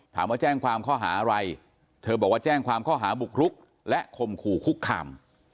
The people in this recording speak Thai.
แจ้งความข้อหาอะไรเธอบอกว่าแจ้งความข้อหาบุกรุกและข่มขู่คุกคาม